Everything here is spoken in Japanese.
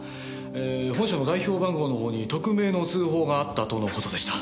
本社の代表番号のほうに匿名の通報があったとの事でした。